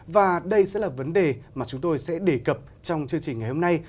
và đây sẽ là vấn đề mà chúng tôi sẽ đề cập trong chương trình ngày hôm nay